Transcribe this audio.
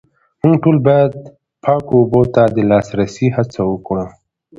موږ ټول باید پاکو اوبو ته د لاسرسي هڅه وکړو